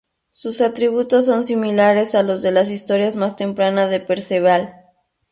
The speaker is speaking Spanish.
Sus atributos son similares a los de las historias más tempranas de Perceval.